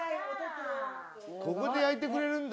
ここで焼いてくれるんだ。